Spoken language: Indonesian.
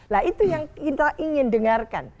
nah itu yang kita ingin dengarkan